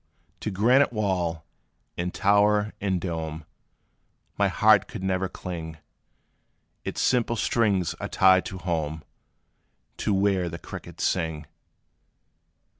To granite wall, and tower, and dome My heart could never cling; Its simple strings are tied to home To where the crickets sing.